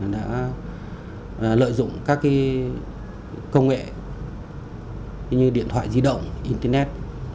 đã lợi dụng các công nghệ như điện thoại di động internet